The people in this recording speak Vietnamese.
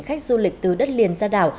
khách du lịch từ đất liền ra đảo